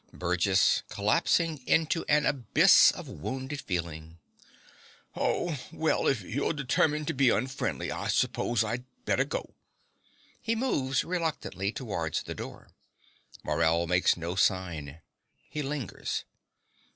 BURGESS (collapsing into an abyss of wounded feeling). Oh, well, if you're determined to be unfriendly, I s'pose I'd better go. (He moves reluctantly towards the door. Morell makes no sign. He lingers.)